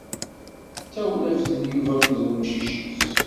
D tawlaft n Yuba akked wemcic-is.